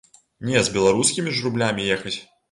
Не з беларускімі ж рублямі ехаць!